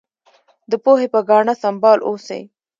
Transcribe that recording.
د پوهې په ګاڼه سمبال اوسئ.